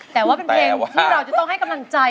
แต่ว่าเป็นเพลงที่เราจะต้องให้กำลังใจ